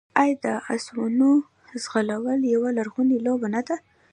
آیا د اسونو ځغلول یوه لرغونې لوبه نه ده؟